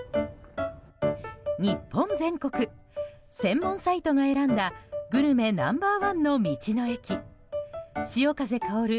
日本全国、専門サイトが選んだグルメナンバーワンの道の駅潮風香る